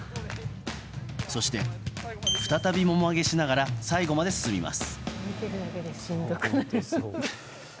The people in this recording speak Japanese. そして、再びもも上げしながら最後まで進みます。